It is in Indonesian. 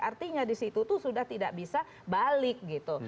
artinya di situ tuh sudah tidak bisa balik gitu